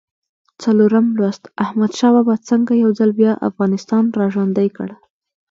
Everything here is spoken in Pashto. څلورم لوست: احمدشاه بابا څنګه یو ځل بیا افغانستان را ژوندی کړ؟